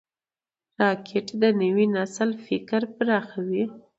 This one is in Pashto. راکټ د نوي نسل فکر پراخوي